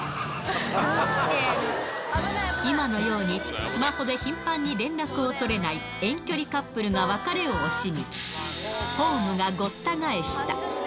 そして、今のようにスマホで頻繁に連絡を取れない遠距離カップルが別れを惜しみ、ホームがごった返した。